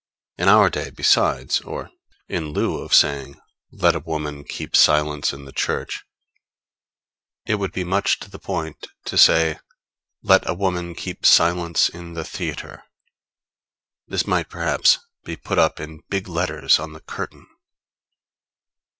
In our day, besides, or in lieu of saying, Let a woman keep silence in the church, it would be much to the point to say Let a woman keep silence in the theatre. This might, perhaps, be put up in big letters on the curtain.